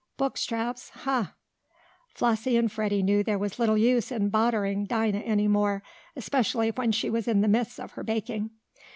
Book straps! Huh!" Flossie and Freddie knew there was little use in "bodderin'" Dinah any more, especially when she was in the midst of her baking.